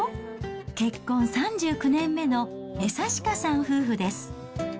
結婚３９年目の江刺家さん夫婦です。